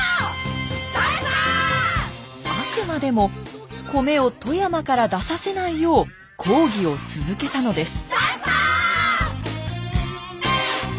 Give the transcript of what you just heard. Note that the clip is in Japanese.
あくまでも米を富山から出させないよう抗議を続けたのです。